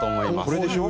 これでしょ？